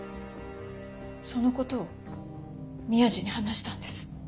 その事を宮地に話したんです。